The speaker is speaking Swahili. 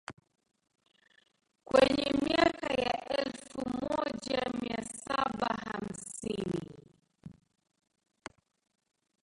kwenye miaka ya elfu moja mia saba hamsini